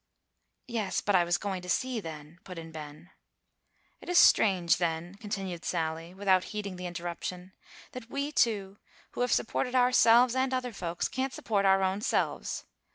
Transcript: "Yes, but I was going to sea then," put in Ben. "It is strange, then," continued Sally, without heeding the interruption, "that we two, who have supported ourselves and other folks, can't support our own selves.